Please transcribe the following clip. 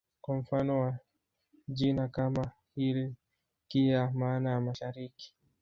Kwa mfano wa jina kama hili Kiya maana ya Mashariki